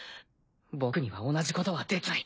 僕には同じことはできない。